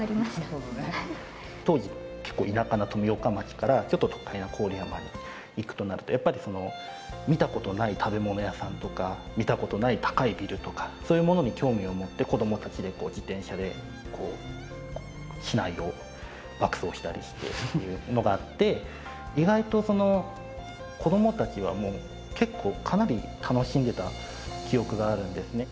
当時結構田舎の富岡町からちょっと都会な郡山に行くとなるとやっぱり見たことない食べ物屋さんとか見たことない高いビルとかそういうものに興味を持って子どもたちで自転車でこう市内を爆走したりしてっていうのがあって意外とその子どもたちはもう結構かなり楽しんでた記憶があるんですね。